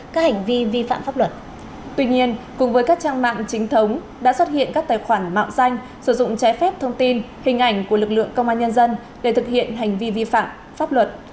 tuy nhiên cùng với các trang mạng chính thống đã xuất hiện các tài khoản mạo danh sử dụng trái phép thông tin hình ảnh của lực lượng công an nhân dân để thực hiện hành vi vi phạm pháp luật